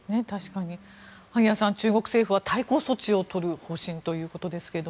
萩谷さん中国政府は対抗措置を取る方針ということですが。